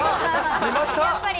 出ました。